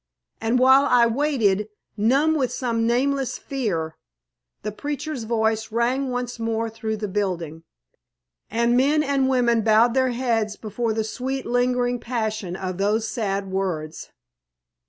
And while I waited, numb with some nameless fear, the preacher's voice rang once more through the building, and men and women bowed their heads before the sweet, lingering passion of those sad words.